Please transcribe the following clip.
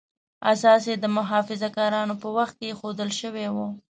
اساس یې د محافظه کارانو په وخت کې ایښودل شوی و.